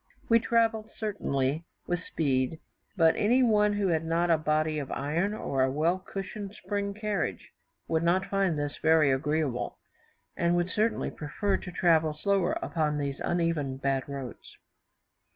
We travelled certainly with speed; but any one who had not a body of iron, or a well cushioned spring carriage, would not find this very agreeable, and would certainly prefer to travel slower upon these uneven, bad roads.